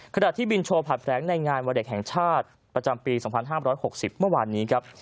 ขณะที่บินโชว์ผลัดแผลงในงานวันเด็กแห่งชาติประจำปี๒๕๖๐เมื่อวานนี้ครับ